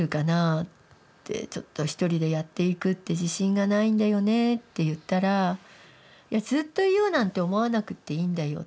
「ちょっと一人でやっていくって自信がないんだよね」って言ったら「いやずっといようなんて思わなくっていいんだよ。